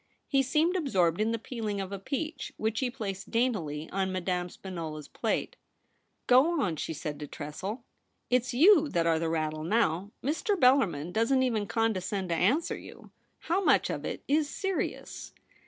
He seemed absorbed in the peeling of a peach, which he placed daintily on Madame Spinola's plate. ' Go on,' said she to Tressel ;* Ws you that are the rattle now. Mr. Bellarmin doesn't even condescend to answer you. How much of it is serious